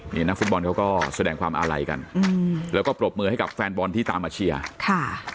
นี่นักฟุตบอลเขาก็แสดงความอาลัยกันอืมแล้วก็ปรบมือให้กับแฟนบอลที่ตามมาเชียร์ค่ะ